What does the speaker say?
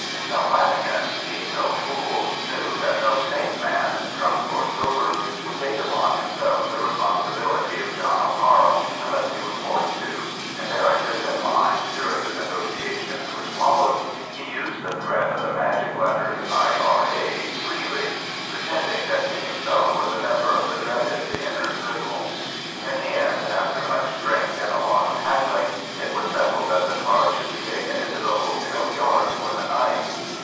Now Flanagan, being no fool, knew that no sane man—drunk or sober—would take upon himself the responsibility of John O'Hara unless he was forced to, and bearing this in mind during the negotiations which followed, he used the threat of the magic letters "I.R.A." freely—pretending that he himself was a member of the dreaded Inner Circle. In the end, after much drink and a lot of haggling, it was settled that the cars should be taken into the hotel yard for the night.